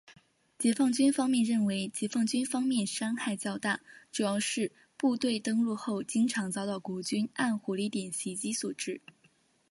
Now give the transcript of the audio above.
解放军方面认为解放军方面伤亡较大主要是部队登陆后经常遭到国军暗火力点袭击所致。